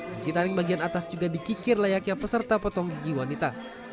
gigi taring bagian atas juga dikikir layaknya peserta potong gigi wanita